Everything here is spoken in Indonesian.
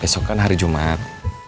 besok kan hari jumat